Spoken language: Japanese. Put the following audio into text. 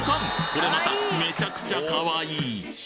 これまためちゃくちゃカワイイ！